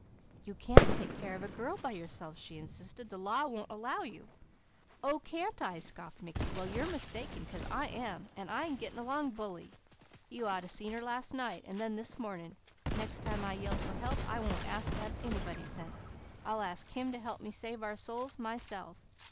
"You can't take care of a girl by yourself," she insisted. "The law won't allow you." "Oh can't I?" scoffed Mickey. "Well you're mistaken, 'cause I am! And getting along bully! You ought to seen her last night, and then this morning. Next time I yell for help, I won't ask to have anybody sent, I'll ask Him to help me save our souls, myself.